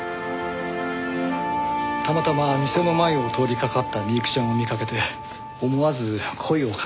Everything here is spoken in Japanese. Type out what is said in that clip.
たまたま店の前を通りかかった美雪ちゃんを見かけて思わず声をかけました。